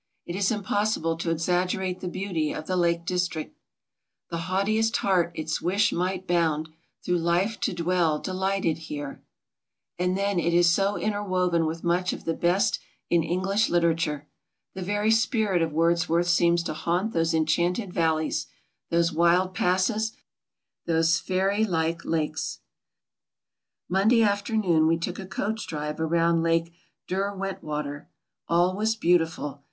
It is impossible to exaggerate the beauty of the Lake Distria: "The haughtiest hean its wish might bound Through life to dwell delighted here." And then it is so interwoven with much of the best in English literature. The very spirit of Wordsworth seems to haunt those enchanted valleys, those wild passes, those fairy like lakes. Monday afternoon we took a coach drive around Lake Derwentwaier. All was beautiful.